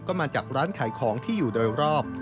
ก็มาจากร้านขายของที่อยู่โดยรอบ